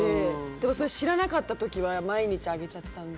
でも、それ知らなかった時は毎日あげちゃってたんで。